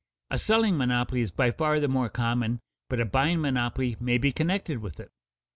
A selling monopoly is by far the more common, but a buying monopoly may be connected with it.